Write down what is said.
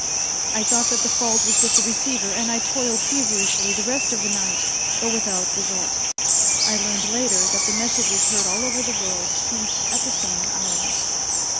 I thought that the fault was with the receiver and I toiled feverishly the rest of the night, but without result. I learned later that the messages heard all over the world ceased at the same hour.